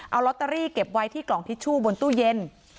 เอาลอตเตอรี่เก็บไว้ที่กล่องทิชชู่บนตู้เย็น